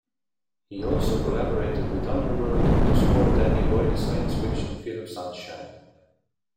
He also collaborated with Underworld to score Danny Boyle's science fiction film "Sunshine".